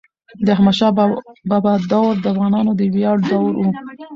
د احمد شاه بابا دور د افغانانو د ویاړ دور و.